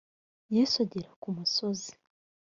yesu agera ku musozi